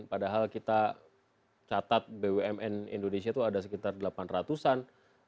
padahal kita catat bumn indonesia itu ada sekitar delapan ratus an